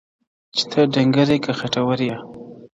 چي ته ډنګر یې که خېټور یې-